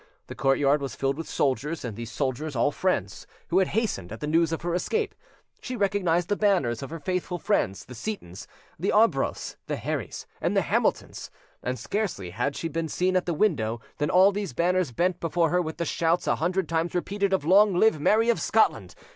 The courtyard was filled with soldiers, and these soldiers all friends who had hastened at the news of her escape; she recognised the banners of her faithful friends, the Seytons, the Arbroaths, the Herries, and the Hamiltons, and scarcely had she been seen at the window than all these banners bent before her, with the shouts a hundred times repeated of "Long live Mary of Scotland!